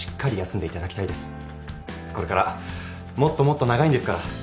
これからもっともっと長いんですから。